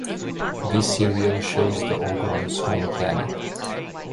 This serial shows the Ogrons home planet.